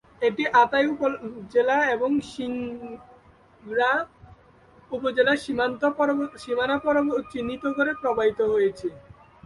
এটি আত্রাই উপজেলা এবং সিংড়া উপজেলার সীমানা চিহ্নিত করে প্রবাহিত হয়েছে।